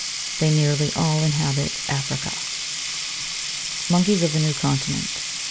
They nearly all inhabit Africa. MONKEYS OF THE NEW CONTINENT.